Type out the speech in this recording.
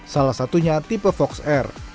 salah satunya tipe fox air